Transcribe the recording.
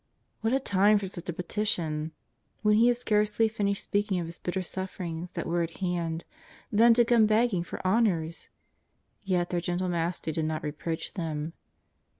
What a time for such a petition! When He had scarcely finished speaking of His bitter sufferings that were at hand — then to come begging for honours ! Yet their gentle Master did not reproach them.